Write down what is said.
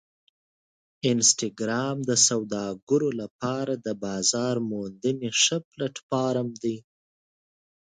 انسټاګرام د سوداګرو لپاره د بازار موندنې ښه پلیټفارم دی.